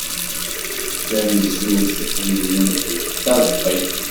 Tanezzut yid-went d taḍfi.